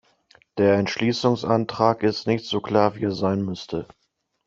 Der Entschließungsantrag ist nicht so klar, wie er sein müsste.